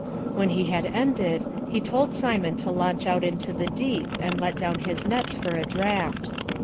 When he had ended he told Simon to launch out into the deep, and let down his nets for a draught.